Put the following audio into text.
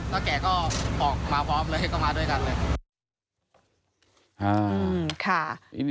ท่าแก่ก็ออกมากดอกเลยเข้ามาด้วยกันเลย